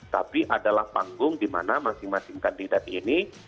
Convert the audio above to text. tapi adalah panggung di mana masing masing kandidat ini